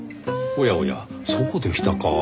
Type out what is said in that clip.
おやおやそうでしたか。